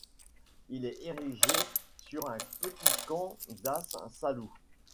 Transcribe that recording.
Il est érigé sur un petit cap das Salou.